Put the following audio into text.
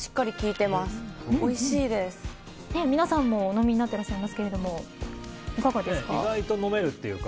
皆さんもお飲みになっていらっしゃいますけれどもいかがですか。